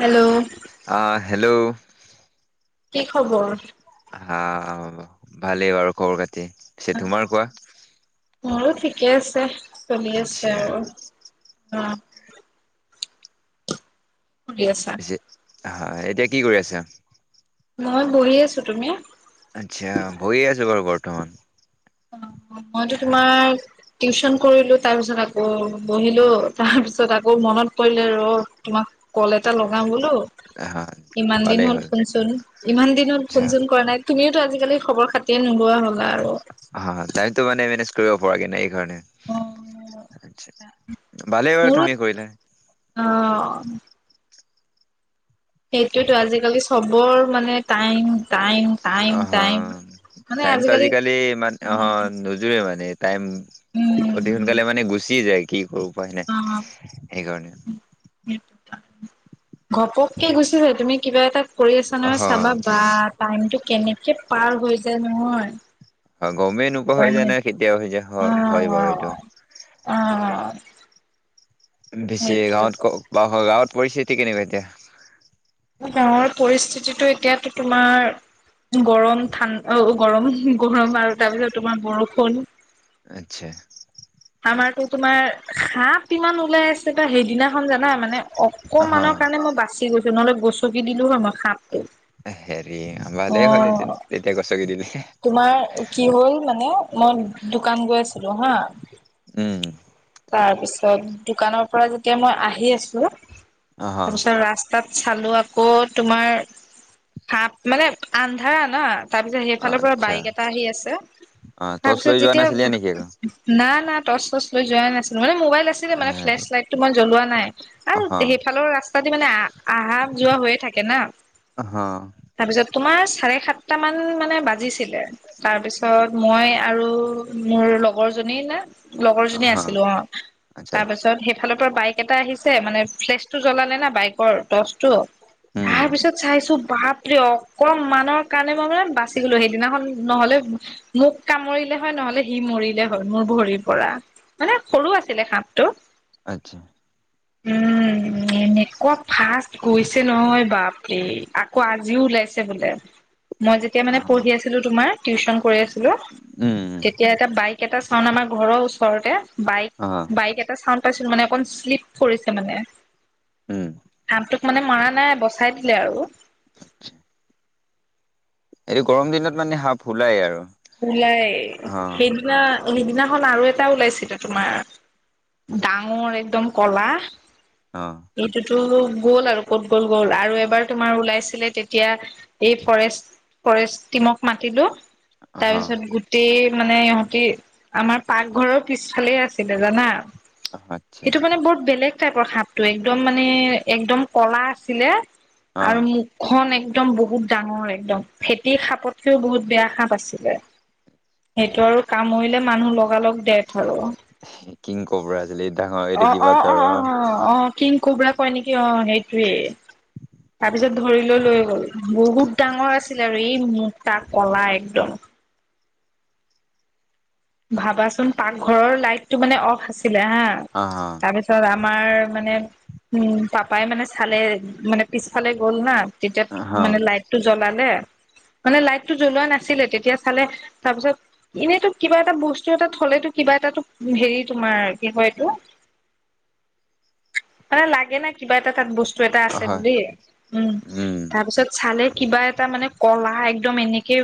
Hello অহ, hello, কি খবৰ? হা ভালেই বাৰু খবৰ কতি। পিছে তোমাৰ কোৱা। মোৰো ঠিকে আছে। চলি আছে আচ্ছা আৰু অ, [inaudible] কৰি আছা। পিছে হয় এতিয়া কি কৰি আছা। মই বহি আছো তুমি? আচ্ছা বয়ে আছো বাৰু ঘৰত। ভুটন মইতো তোমাৰ টিউচন কৰিলো তাৰ পিছত আকৌ বহিলো তাৰ পিছত আকৌ মনত পৰিলে ৰ তোমাক। কল এটা লগা বোলো হা ইমান দিন হ'ল ফোন চোন ইমান দিন হ'ল আচ্ছা ফোন চোন কৰা নাই তুমিওটো আজি কালি খৰ খাতিয়ে নো পোৱা হলা আৰু তাইতো মানে মেনেজ কৰিব পৰা কি নাই। গণ অ [unintelligible] অ'। সেইটোতো আজিকালি চবৰ মানে টাইম- টাইম টাইম অ', হ, টাইম টাইমটো আজিকালি মান অ' হ উম নোযোৰে মানে। টাইম উম অতি সোনকালে মানে গুচি যায় কি কৰো। উপাই নাই অ সেইকাৰণে। ঘপককে গুচি যায় তুমি কিবা এটা কৰি আছা নহয় চাবা বা টাইমটো কেনেকে পাৰ হৈ নহয় অ গমেই নোপোৱা অ হৈ যায় ন কেতিয়া হৈ যায়। হয়, হয় বাৰু এইটো। অ বেছি সেইটোৱেতো গাঁৱত। ক, বা গাঁৱত পৰিস্থিতি কেনেকুৱা এতিয়া। গাঁৱৰ পৰিস্থিতিটো এতিয়াতো তোমাৰ গৰম ঠা গৰম-গৰম আৰু তাৰপিছত তোমাৰ বৰষুণ। আচ্ছা আমাৰতো তোমাৰ সাপ ইমান ওলাই আছে, সেইদিনাখন জানা মানে অ অকমানৰ কাৰণে মই বাচি গৈছো। নহলে, গচকি দিলো হয় মই সাপ টো। হে ভালেই হ'ল এতিয়া, তেতিয়া গছকি দিলে। তোমাৰ কি হ'ল মানে মই দোকান গৈ আছিলো হা। উম। তাৰপিছত, দোকানৰ পৰা যেতিয়া মই আহি আছোঁ। অহ তাছ ৰাস্তাত চালো আকৌ তোমাৰ, সাপ। মানে, আন্ধাৰ না তাৰপিছত সেইফালৰ পৰা আচ্ছা বাইক এটা আহি আছে, অ তাৰ টৰ্চ পিছত লৈ যোৱা যেতিয়া, নাছিলি নেকি আকৌ না-না টচ চছ [unintelligible] যোৱা নাছিলোঁ। মানে মোবাইল আছিলে। মানে ফ্লেছ হেৰি লাইটটো মই জ্বলোৱা নাই আৰু অহ সেইফালৰ ৰাস্তা দি মানে আহ, আহা যোৱা হৈয়ে থাকে না। অহ তাৰপিছত, তোমাৰ চাৰে সাতটা মান মানে বাজিছিল। তাৰপিছত মই আৰু মোৰ লগৰ জনী নে লগৰ জনী অহ আছিলো অ' আচ্ছা তাৰপিছত সেই ইফালটৰ বাইক এটা আহিছে মানে ফ্লেছ টো জ্বলালে না বাইকৰ, টৰ্চটো। উম তাৰপিছত চাইছো পঢ়া দিয়ক। অকণমানৰ কাৰণে মই মানে বাচি গ'লোঁ, সেইদিনাখন নহ'লে মোক কামৰিলে হয় নহলে সি মৰিলে হয় মোৰ ভৰিৰ পৰা, মানে সৰু আছিলে সাপটো। আচ্ছা। উম এনেকুৱা ফাষ্ট গৈছে নহয় বাপৰে আকৌ আ আজিউ লাইছে বোলে। মই যেতিয়া মানে অহ পঢ়ি আছিলো তোমাৰ, টিউচন কৰি আছিলোঁ, উম উম তেতিয়া বাইক এটা খন আমাৰ ঘৰৰ ওচৰতে। বাইক- অহ বাইক এটা চাউণ্ড পাইছিল মানে অকণ শ্লিপ কৰিছে মানে। উম। তোক মানে মৰা নাই বচাই দিলে আৰু। এইটো গৰম দিনত মানে সাপ ওলায় আৰু। ওলাই অহ সেইদিনা সেইদিনাখন আৰু এটা ওলাইছিলে তোমাৰ ডাঙৰ একদম ক'লা অ'। টো গ'ল আৰু ক'ত গ'ল গ'ল আৰু এবাৰ তোমাৰ ওলাইছিলে তেতিয়া এই ফৰেষ্ট-ফৰেষ্ট টিমক মাতিলো তাৰপিছত গোটেই মানে ইহঁতি আমাৰ পাকঘৰৰ পিছফালেই আছিলে জানা। অহ আচ্ছা এইটো মানে বহুত বেলেগ টাইপৰ সাপ টো এইটো একদম মানে একদম ক'লা আছিলে অহ আৰু মুখখন এক দম বহুত ডাঙৰ একদম ফেটিৰ সাপতকেও বহুত বেয়া সাপ আছিলে, সেইটো আৰু কামুৰিলে মানুহ লগালগ দেথ হ'ব। কিংকবৰা অ', অ'-অ'-অ'- অ'-অ', কিংকবৰা হয় নেকি অ', সেইটোৱে। তাৰ পিছত ধৰি লৈ- লৈ গ'ল বহুত ডাঙৰ আছিল আৰু এই মোটা ক'লা একদম। ভাবাচোন পাকঘৰৰ লাইটটো মানে অফ আছ ছিলে হা, অহ তাৰপিছত আমাৰ মানে উম, পাপাই মানে চালে মানে পিছফালে গ'ল না তেতিয়া অহ মানে লাইটটো জ্বলালে মানে লাইটটো জ্বলোৱা নাছিলে, তেতিয়া চালে তাৰপিছত এনেইতো কিবা এটা বস্তু এটা থ'লেটো কিবা এটা হেৰি তোমাৰ কি কয়, এইটো মানে লাগে না, কিবা এটা তাত বচ এটা আছে অহ বুলি উম, তাৰপিছত চালে কিবা এটা মানে কলা এক দম এনেকে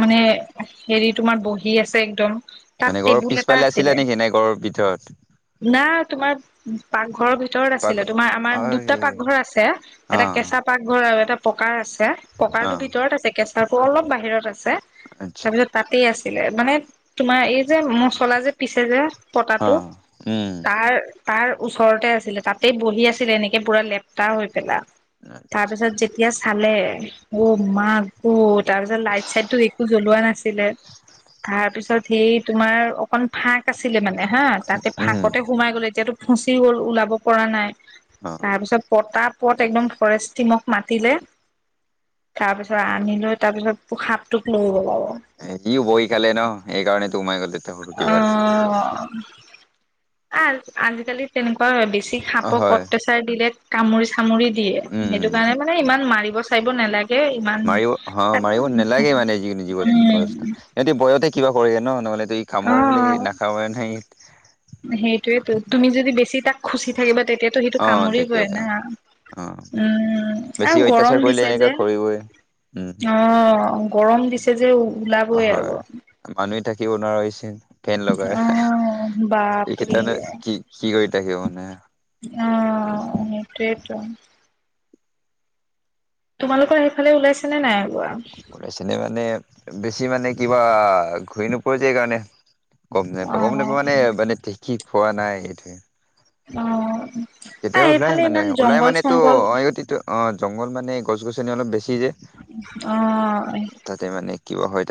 মানে হেৰি তোমাৰ বহি আছে। [unintelligible] মানে ঘৰৰ টেবুল এটা পিছফালে আছিলে নেকি এনেই ঘৰৰ ভিতৰত? না তোমাৰ পাকঘৰৰ ভি তৰত পাক আছিলে তোমাৰ আমাৰ দুটা আৰে পাকঘৰ আছে অ এটা কেঁচা পাকঘৰ আৰু এটা পকাৰ আছ চে অ পকাৰটো ভিতৰত আছে কেঁচাটো অলপ বাহিৰত আছে আচ্ছা তাৰপিছত তাতে আছ ছিলে মানে তোমাৰ এই যে মচলা যে পিচে যে। অ পতাটো উম তাৰ তাৰ ওচৰতে আছিলে তাতেই বহি আছিলে এনেকে পুৰা লেপ্তা হৈ পেলা তাৰপিছত যেতিয়া চালে মাৰ মা ক'ত তাৰপিছত লাইট চাইটটো একো জ্বলোৱা নাছিলে তাৰপিছত এই তোমাৰ অকণ ফাঁক আছিলে মানে হা, তাতে উম ফাঁকতে সোমাই গ'ল এতিয়াতো ফচি গ'ল ওলাব পৰা নাই। অ তাৰপিছত পতা পত একদম ফৰেষ্ট টিমক মাতিলে তাৰপিছত আনি লৈ তাৰপিছত সাপটোক লৈ গ'ল আৰু। সিওঁ বহি খালে ন সেইকাৰণে। আহ [unintelligible] আজিকালি তেনেকুৱা বেছি। সি অ সাপটোক হয় অত্যাচাৰ দিলে কামুৰি চ কামুৰি দিয়ে উম সেইটো কাৰণে মানে ইমান মাৰি চিব নালাগে। ইমান মাৰিব হ মাৰিব নে লাগে মানে য জীৱ জন্তু উম অৱস্থা যদি বয়স কিবা কৰি ন মানে অ সেইটোয়েইেতো তুমি যদি বেছি তাক খুচি থাকিবা তেতিয়াতো সিটো অ কামুৰিবই তেতিয়াতো না। অ উম বেছি আৰু গৰম অত্যাচাৰ কৰিলে দিছে এনেকা যে কৰিবই উম অ' গৰম দিছে যে ওলাবই আৰু হয় মানুহে থাকিব নোৱাৰা হৈছে ফেন লগাই আহ বাপৰি এইকেইটানো কি কি কৰি থাকিব মানে আহটো [unintelligible] তোমালোকৰ সেইফালে ওলাইছে নে নাই ওলোৱা চিননে মানে বেছি মানে কিবা ঘূৰি নোপোৱা যে এইকাৰণে গম অ নাপা গম নাপা মানে মানে কিকি পোৱা নাই এইটো অ', তেতিয়া আহ ওলাই এইফালে মানে ইমান ওলাই জংঘল মান তো চংঘল অতি অ জংঘল মানে গছ গছনি [unintelligible] তাতে মানে অ কিবা হয়।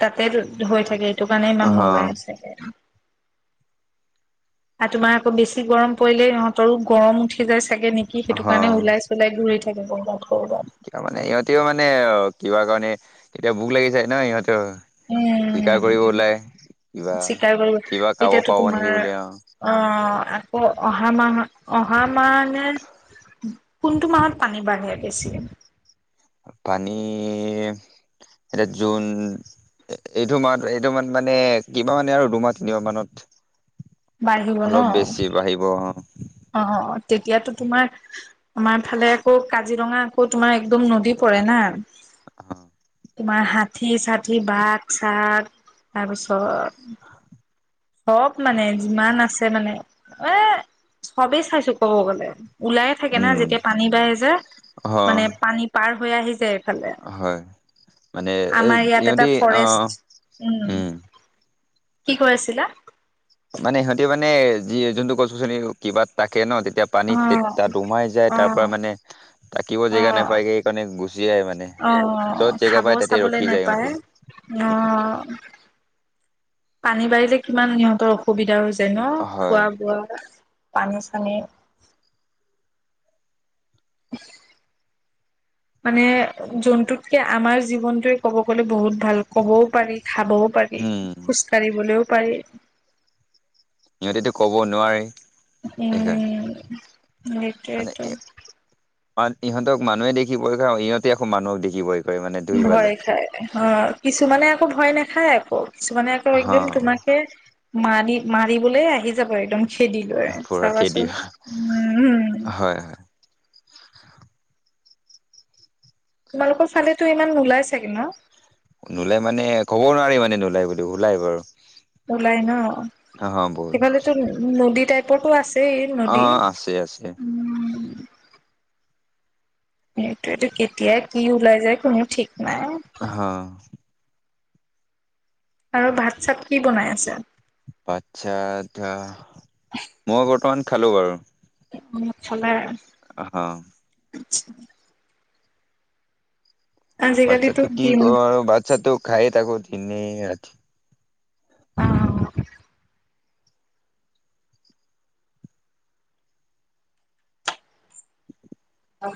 তাতে হৈ থাকে এইটো কাৰণে ইমান অহ নলাই হৈছে আৰু তোমাৰ আকৌ বেছি গৰম পৰিলে ইহঁতৰো গৰম উঠি গাইছে থাকে নেকি অহ সেইটো কাৰণে ওলাই চলাই ঘূৰি থাকে কৰ'বাত কৰবাত কিবা মানে ইহঁতেও মানে কিবা কাৰণে কেতিয়া ভুক লাগিচে ন ইহঁতে উম কিবা স্বিককাৰ কৰ কিবা খাব এতিয়াতো পাব তোমাৰ নেকি বুলি অ আকৌ অহা মাহত অহা মানে কোনটো মাহত পানী বাঢ়ে বেছি পানী এতিয়া জোন এইটো মাহ এইটো মান মানে কিমাহ মানে আৰু দুমাহ তিনিমাহ মানত বাঢ়িব ন অলপ বেছি বাঢ়িব। অ তেতিয়াতো তোমাৰ আমাৰ ফালে আকৌ কাজিৰঙা আকৌ তোমাৰ একদম নদী পৰে না তোমাৰ হাত হাতী চাঠি বাঘ চাগ তাৰপিছত চব মানে যিমান আছে মানে এ চবেই চাইছো কব গ'লে। ওলাইে থাকে না উম যেতিয়া পানী বাঢ়ি যে অ মানে পানী পাৰ হৈ আহি যায়। এইফালে হয় মানে আমাৰ ইয়াত এটা ইিহঁতে ফৰেষ্ট আহ উম কি কৈ আছিলা। মানে সিহঁতি মানে যি যোনটো গছ গছনি কিবা থাকে ন তেতিয়া পানীত অ', তাত উমাই যায় তাৰ পৰা অ', মানে তাকিব জেগা অ', নাপায় যে সেইকাৰণে গ অ', খাব চাবলে ৰখি যায় সিহঁতি নাপায় অ। পানী বাৰিলে কিমান সিহঁতৰ অসুবিধা হৈছে। ন হয় খোৱা বোৱা পানী চানী মানে জন্তুতকে আমাৰ জীৱনটোয়ে কব গ'লে বহুত ভাল ক'বও পাৰি খাবও পাৰি উম খোজ কাঢ়িবলৈও পাৰি। সিহঁতেতো ক'ব নোৱাৰেই। উম, হম, সেইটোৱেইটো। কাৰণ ইহঁতক মানুহে দেখি ভয় খায় আৰু ইহতে মানুহক দেখি ভয় কৰে মানে দুই ফালে ভয় খাই অ, কিছুমানে ভয় নাখায় আকৌ। কিছুমানে আকৌ একদম হা তোমাকে মাৰি-মাৰিবলৈ আহি যাব একদম খেদিদৰে পুৰা খেদি চাবাচোন উম-উম। হয় হয় তোমালোকৰ ফালেতো ইমান নোলাই চাগে ন? নোলাই মানে ক'ব নোৱাৰি মানে নোলায় বুলি ওলাই বাৰু। উলাই ন'? অ, অহ বহুত সেফালেতো নদীত টাইপতো আছ অ আছে আছে। সেইটোয়েটো কেতিয়া কি ওলাই যায় কোনো ঠিক নাই হ। আৰু ভাত চাত কি বনাই আছে? ভাত চাত ধৰা, মই বৰ্তমান খালো বাৰু। খালা। অহ। [unintelligible] আজিকালিতো বাচ্ছাটো কি গেম কৰ বাচ্ছা তো খাই তাকো দিনে ৰাঠি। [inaudible] অ।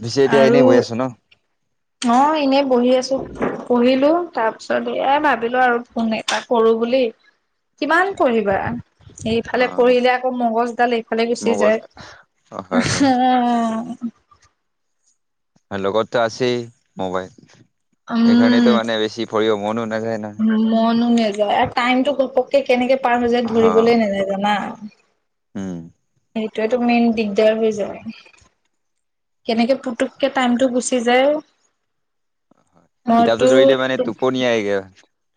পিছে এতিয়া এনেই আৰু বহি আছো ন। অ এনেই বহি আছো। পঢ়িলো তাৰ পিছত এ ভাবিলো আৰু ফোন এটা কৰো বুলি। কিমান আচ্ছা পঢ়িবা, অ এইফালে পঢ়িলে আকৌ মগজডাল এইফালে গুচি মগজ যায়। অ, হয় হয় অ, অ। লগততো আছেই ম'বাইল উম সেইকাৰণেটো মানে বেছি পৰিও [unintelligible] মনো নাযায়। আৰু টাইমটো ঘপককে কেনেকে পাৰ হৈ যায় অহ ধৰিবলে নেযায় জানা। উম সেইটোয়েতো মেইন দিগদাৰ হৈ যায়। [inaudible] কেনেকে পুতুককে টাইমটো গুচি খিজাই কিতাপটো মইতো, ধৰিলে মানে টোপনি আহগে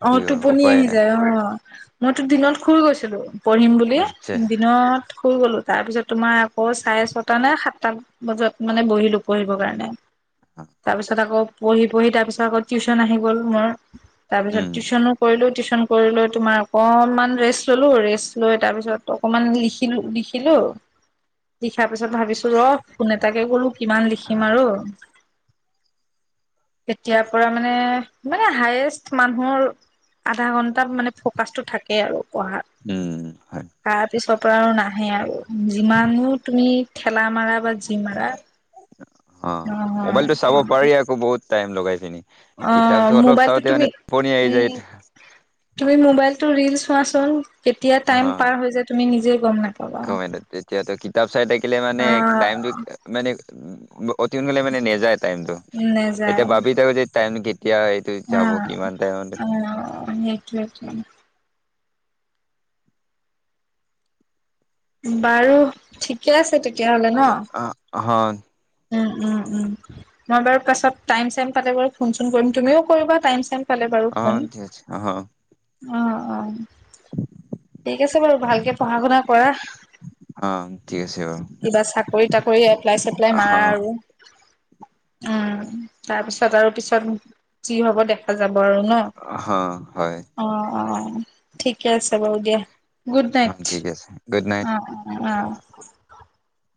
কি অ', কৰ টোপনি উপায় আহি নাই যায় অ'। মইতো দিনত শুই গৈছিলোঁ। পঢ়িম বুলি আচ্ছা দিনত শুই গ'লোঁ। তাৰ পিছত তোমাৰ আকৌ চাৰে ছটা নে সাতটা বজাত মানে বহিলো পঢ়িবৰ কাৰণে। তাৰপিছত আকৌ পঢ়ি পঢ়ি তাৰ পিছত আকৌ টিউচন আহি গ'ল মোৰ। তাৰ পিছত উম টিউচনো কৰিলোঁ। টিউচন কৰি লৈ তোমাৰ অকণমান ৰেষ্ট ল'লোঁ। ৰেষ্ট লৈ, তাৰপিছত অকণমান লিখিলোঁ লি খিলোঁ লি তাৰ পিছত ভাবিছো ৰ' ফোন এটাকে কৰলো কিমান লিখিম আৰু। এতিয়াৰ পৰা মানে মানে হায়েষ্ট মানুহৰ আধা ঘন্টা মানে ফ'কাচটো থাকে আৰু। পঢ়া। উম হয় তাৰ পিছৰ পৰা আৰু নাই। সেই আৰু। যিমানো তুমি ঠেলা মাৰা বা কি মাৰা? অ মোবাইলটো চাব পাৰি অ'। আকৌ বহুত টাইম লগাইছে নি? অ', মোবাইলটো তুমি আহি যায় তুমি মোবাইলটো ৰিল্লছ চোৱাচোন। কেতিয়া অহ, টাইম পাৰ হৈ যায় তুমি নিজে গম নাপাবা। কমেণ্টত তেতিয়াত কিতাপ চাই থাকিলে মানে অ টাইমটো মানে অতি সোনকালে মানে নেযায়। টাইমটো। নেযায় এতিয়া বাবি তাৱৈ যে টাইম কি এতিয়া এইটো অ যাব কিমান টাইমত অ [unintelligible] বাৰু ঠিকে আছে তে তিয়া হ'লে ন হন উম উম উম। মই বাৰু পাছত টাইম-ছাইম পালে বাৰু ফোন-চোন কৰিম। তুমিও কৰিবা টাইম-ছাইম অ', ঠিক আছে, অ'। অ', অ'। ঠিক আছে বাৰু, ভালকে পঢ়া-শুনা কৰা অ ঠিক আছে বাৰু কিবা চাকৰিত তাকৰি এপ্লাই পিলে মা অ আৰু উম, তাৰপিছত আৰু পিছত যি হ'ব দেখা যাব। বাৰু ন' অ হয় অ', অ'। ঠিকে আছে বাৰু দিয়া। গুড অ নাইট ঠিক আছে গুড নাইট অ', অ'। [inaudible]